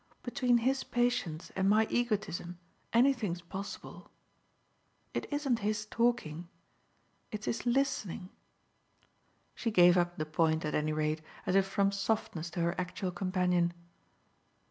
"Between his patience and my egotism anything's possible. It isn't his talking it's his listening." She gave up the point, at any rate, as if from softness to her actual companion.